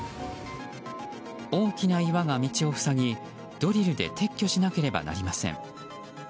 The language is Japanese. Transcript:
大きな岩が道を塞ぎ、ドリルで撤去しなければなりません。